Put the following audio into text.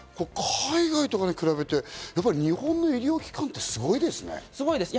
海外とかに比べて日本の医療機関ってすごいですね。